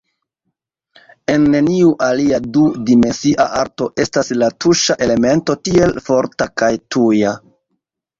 En neniu alia du-dimensia arto estas la tuŝa elemento tiel forta kaj tuja.